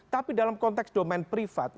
tapi dalam konteks domain privat